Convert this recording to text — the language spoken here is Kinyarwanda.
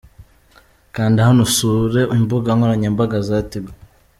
Kanda hano usure imbuga nkoranyambaga za Tigo :.